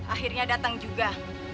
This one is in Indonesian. akhirnya datang juga